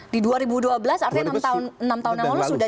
di dua ribu dua belas artinya enam tahun yang lalu sudah